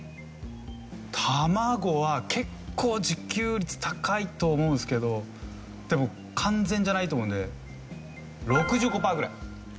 卵は結構自給率高いと思うんですけどでも完全じゃないと思うので６５パーぐらい。